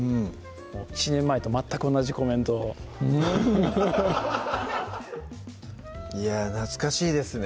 もう１年前と全く同じコメントをいや懐かしいですね